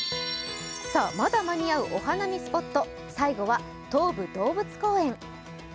まだ間に合うお花見スポット、最後は東武動物公園。